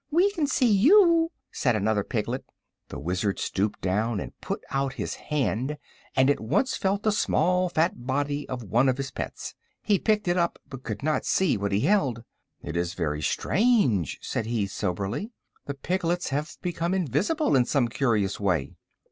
"We can see you," said another of the piglets. The Wizard stooped down and put out his hand, and at once felt the small fat body of one of his pets. He picked it up, but could not see what he held. "It is very strange," said he, soberly. "The piglets have become invisible, in some curious way."